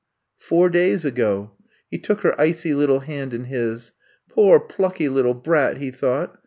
''Four days ago. '' He took her icy little hand in his. Poor, plucky little brat," he thought.